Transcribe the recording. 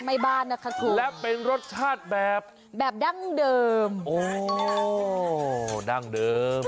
บ้านนะคะคุณและเป็นรสชาติแบบแบบดั้งเดิมโอ้ดั้งเดิม